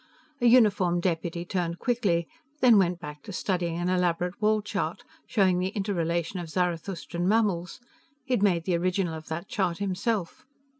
A uniformed deputy turned quickly, then went back to studying an elaborate wall chart showing the interrelation of Zarathustran mammals he'd made the original of that chart himself.